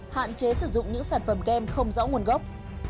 hạn chế sử dụng những sản phẩm kem không rõ nguồn gốc